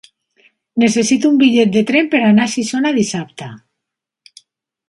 Necessito un bitllet de tren per anar a Xixona dissabte.